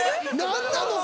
何なの？